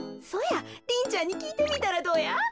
そやリンちゃんにきいてみたらどや？